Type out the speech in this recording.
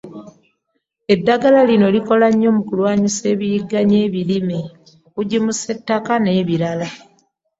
Eddagala lino likola nnyo mu kulwanyisa ebiyigganya ebirime, okugimusa ettaka, n’ebirala.